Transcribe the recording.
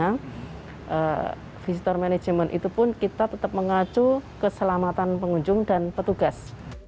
dan visitor manajemen itu pun kita tetap mengacu keselamatan pengunjung dan petugas